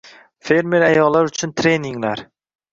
Fermer ayollar uchun treninglarng